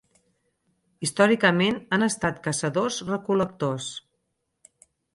Històricament han estat caçadors-recol·lectors.